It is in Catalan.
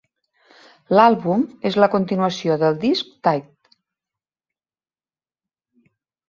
L'àlbum és la continuació del disc "Tight".